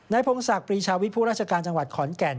พงศักดิ์ปรีชาวิทย์ผู้ราชการจังหวัดขอนแก่น